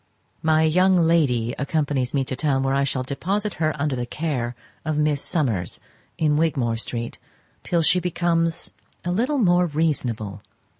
My young lady accompanies me to town, where I shall deposit her under the care of Miss Summers, in Wigmore street, till she becomes a little more reasonable.